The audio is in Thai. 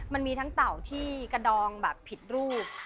มันมีทั้งเต่าที่กระดองแบบผิดรูป